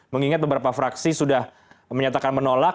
mengingat beberapa fraksi sudah menyatakan menolak